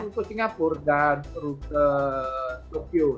itu singapura dan rute tokyo